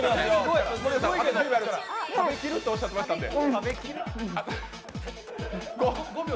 いけるっておっしゃっていましたんで。